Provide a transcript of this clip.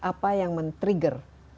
apa yang men trigger